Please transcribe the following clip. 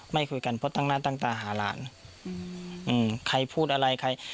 ไม่คุยกันเพราะตั้งหน้าตั้งตาหาหลานใครพูดอะไรใคร